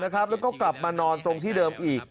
แต่ตอนนี้ติดต่อน้องไม่ได้